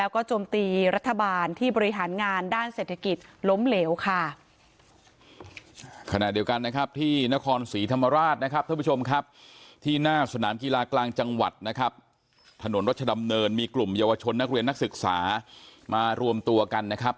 โครนสีธรรมราชนะครับท่านผู้ชมครับที่หน้าสนามกีฬากลางจังหวัดนะครับถนนรัชดำเนินมีกลุ่มเยาวชนนักเรียนนักศึกษามารวมตัวกันนะครับ